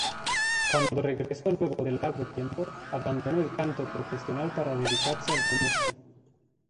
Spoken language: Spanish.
Cuando regresó luego de largo tiempo, abandonó el canto profesional para dedicarse al comercio.